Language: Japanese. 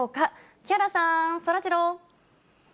木原さん、そらジロー。